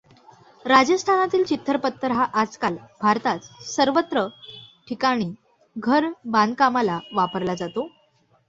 राजस्थानातील चित्तर पत्थर हा आजकाल भारतात सर्वत्र ठिकाणी घर बांधकामाला वापरला जातो.